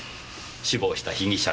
死亡した被疑者の。